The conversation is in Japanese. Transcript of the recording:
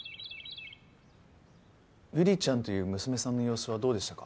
悠里ちゃんという娘さんの様子はどうでしたか？